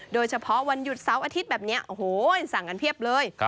โดยเฉพาะวันหยุดเสาร์อาทิตย์แบบนี้โอ้โหสั่งกันเพียบเลย